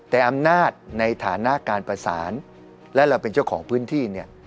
แต่อำนาจในฐานะการประสานและเราเป็นเจ้าของพื้นที่เนี่ย